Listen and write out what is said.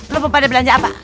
lo mau pada belanja apa